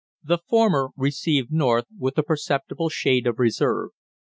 The former received North with a perceptible shade of reserve.